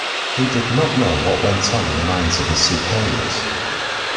He did not know what went on in the minds of his superiors.